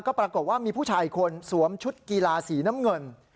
ก็ปรากฏว่ามีผู้ชายอีกคนสวมชุดกีฬาสีน้ำเงิน